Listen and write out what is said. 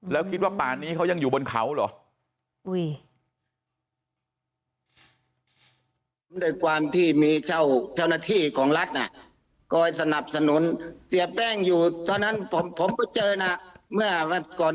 แล้วคิดว่าป่านนี้เขายังอยู่บนเขาเหรอ